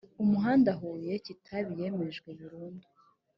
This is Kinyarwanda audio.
umuhanda huye kitabi yemejwe burundu